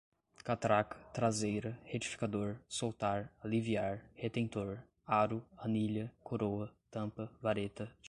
catraca, traseira, retificador, soltar, aliviar, retentor, aro, anilha, coroa, tampa, vareta, tirante